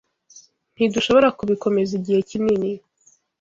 Ntidushobora kubikomeza igihe kinini.